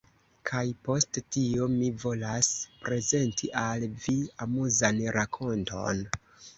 kaj post tio mi volas prezenti al vi amuzan rakonton.